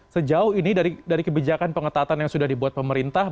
sejauh ini dari kebijakan pengetatan yang sudah dibuat pemerintah